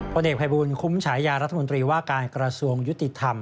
เอกภัยบูลคุ้มฉายารัฐมนตรีว่าการกระทรวงยุติธรรม